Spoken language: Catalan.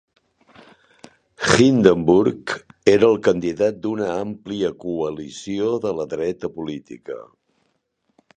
Hindenburg era el candidat d'una àmplia coalició de la dreta política.